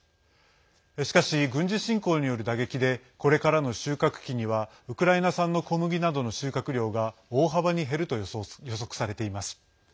しかし軍事侵攻による打撃でこれからの収穫期にはウクライナ産の小麦などの収穫量が大幅に減ると予測されています。